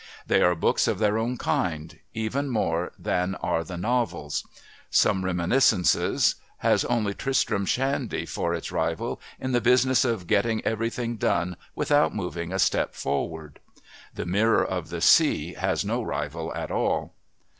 They are books of their own kind, even more than are the novels. Some Reminiscences has only Tristram Shandy for its rival in the business of getting everything done without moving a step forward. The Mirror of the Sea has no rival at all.